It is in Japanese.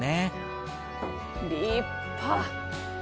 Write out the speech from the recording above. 立派！